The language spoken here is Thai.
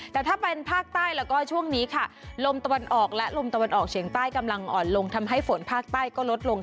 แต่ถ้าเป็นภาคใต้แล้วก็ช่วงนี้ค่ะลมตะวันออกและลมตะวันออกเฉียงใต้กำลังอ่อนลงทำให้ฝนภาคใต้ก็ลดลง